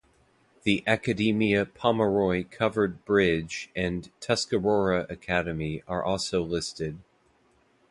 The Academia Pomeroy Covered Bridge and Tuscarora Academy are also listed.